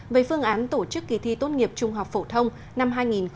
về phương án tổ chức kỳ thi tốt nghiệp trung học phổ thông năm hai nghìn hai mươi